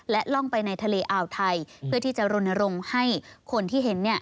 และล่องไปในทะเลอ่าวไทยเพื่อที่จะรณรงค์ให้คนที่เห็น